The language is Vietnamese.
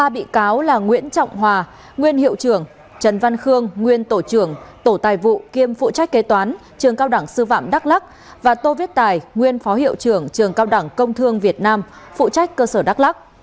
ba bị cáo là nguyễn trọng hòa nguyên hiệu trưởng trần văn khương nguyên tổ trưởng tổ tài vụ kiêm phụ trách kế toán trường cao đẳng sư phạm đắk lắc và tô viết tài nguyên phó hiệu trưởng trường cao đẳng công thương việt nam phụ trách cơ sở đắk lắc